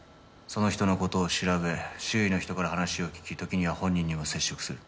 その人の事を調べ周囲の人から話を聞き時には本人にも接触する。